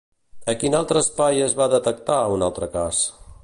A quin altre espai es va detectar un altre cas?